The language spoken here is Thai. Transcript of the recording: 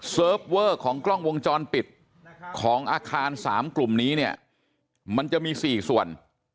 เวอร์ของกล้องวงจรปิดของอาคาร๓กลุ่มนี้เนี่ยมันจะมี๔ส่วน